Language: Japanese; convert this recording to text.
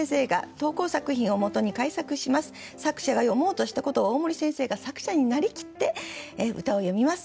作者が詠もうとしたことを大森先生が作者になりきって歌を詠みます。